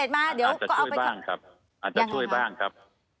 อาจจะช่วยบ้างครับ